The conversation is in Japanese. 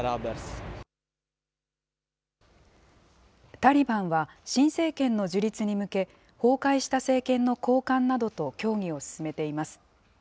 タリバンは新政権の樹立に向け、崩壊した政権の高官などと協議を進めています。